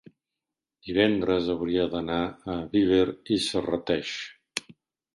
divendres hauria d'anar a Viver i Serrateix.